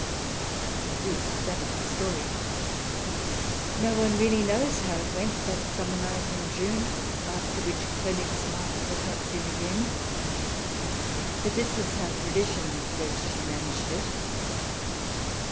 At least, that is the story. No one really CH. XVII] QUEENS DISCROWNED 233 knows how it went, that summer night in June, after which Konigsmarck was not seen again. But this is how tradition says she managed it.